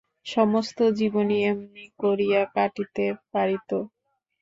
সমস্ত জীবনই এমনি করিয়া কাটিতে পারিত।